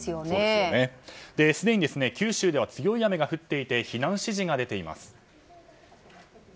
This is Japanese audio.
すでに九州では強い雨が降っていて避難指示が出ています。